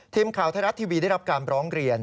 ทีมข่าวไทยรัฐทีวีได้รับการร้องเรียน